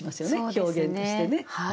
表現としてね。